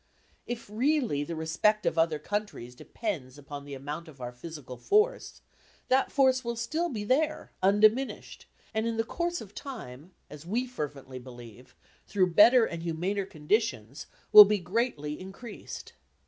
If really the respect of other countries depends upon the amount of our physical force, that force will still be there, undiminished, and in course of time, as we fervently believe, through better and humaner conditions, will be greatly increased.